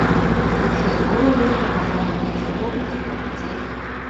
Тэгэхээр өөрөө өөрийнхөө толгойг мэдээд шулуухан зугтаж үзье.